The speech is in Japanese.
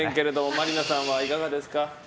真里奈さんはいかがですか？